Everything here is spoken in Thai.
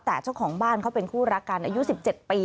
แต่เจ้าของบ้านเขาเป็นคู่รักกันอายุ๑๗ปี